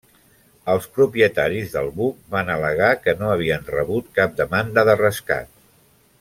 Els propietaris del buc van al·legar que no havien rebut cap demanda de rescat.